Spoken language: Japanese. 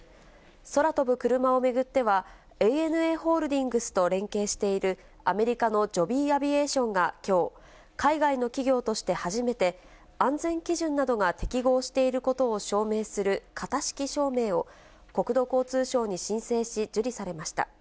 空飛ぶクルマを巡っては、ＡＮＡホールディングスと連携しているアメリカのジョビー・アビエーションがきょう、海外の企業として初めて、安全基準などが適合していることを証明する型式証明を、国土交通省に申請し、受理されました。